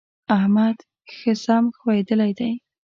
احمد ښه سم ښويېدلی دی.